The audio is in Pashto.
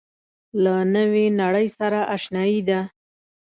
له نوې نړۍ سره آشنايي ده.